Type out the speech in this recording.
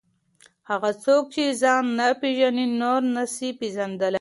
هغه څوک چې ځان نه پېژني نور نسي پېژندلی.